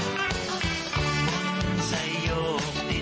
ดวงตะวันเคาะกันสดใส